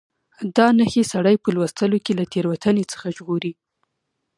دا نښې سړی په لوستلو کې له تېروتنې څخه ژغوري.